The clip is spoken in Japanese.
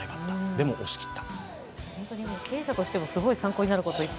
でも、押し切った。